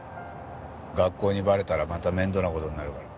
学校にバレたらまた面倒な事になるから。